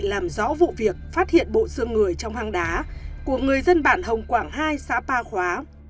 làm rõ vụ việc phát hiện bộ xương người trong hang đá của người dân bản hồng quảng hai xã ba khóa